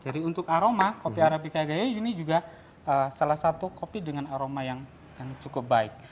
jadi untuk aroma kopi arabica gaya ini juga salah satu kopi dengan aroma yang cukup baik